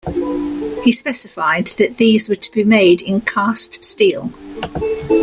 He specified that these were to be made in cast steel.